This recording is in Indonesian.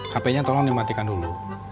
hp nya tolong dimatikan dulu